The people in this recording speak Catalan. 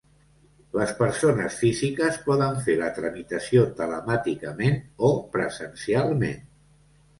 Les persones físiques poden fer la tramitació telemàticament o presencialment.